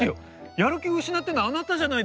やる気失ってるのあなたじゃないですか！